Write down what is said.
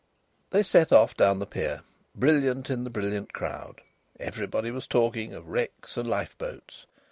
They set off down the pier, brilliant in the brilliant crowd. Everybody was talking of wrecks and lifeboats.